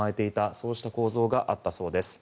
そうした構造があったそうです。